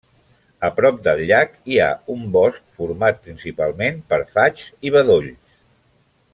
A prop del llac hi ha un bosc format principalment per faigs i bedolls.